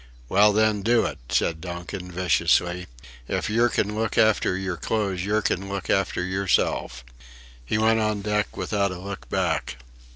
" "Well, then, do it," said Donkin, viciously, "if yer can look after yer clothes, yer can look after yerself." He went on deck without a look back.